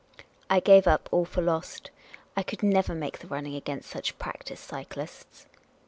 I gave up all for lost. I could never make the running against such practised cyclists.